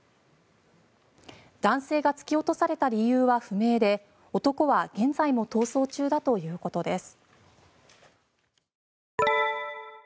男性が突き落とされた理由は不明で男は現在も逃走中だということです。